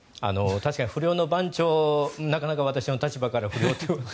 確かに不良の番長なかなか私の立場から不良って。